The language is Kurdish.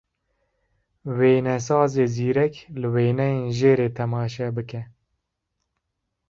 Wênesazê zîrek, li wêneyên jêrê temaşe bike.